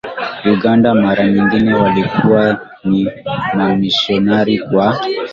Uganda mara nyingine walikuwa ni Wamisionari kwa